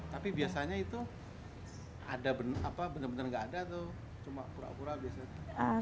tapi biasanya itu ada benar benar nggak ada atau cuma pura pura biasanya